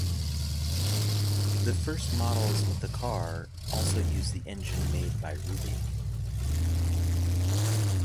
The first models of the car also used the engine made by Ruby.